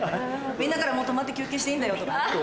みんなから「もう止まって休憩していいんだよ」とかね。